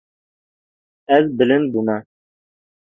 Ez bilind bûme.